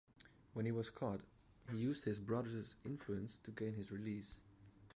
When he was caught, he used his brother's influence to gain his release.